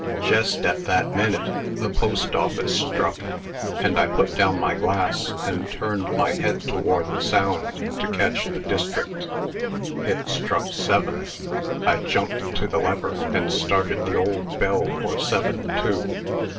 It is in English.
Jest at that minute the Post Office struck, and I put down my glass, and turned my head toward the sound, to catch the district. It struck seven. I jumped to the lever, and started the old bell for seven, too.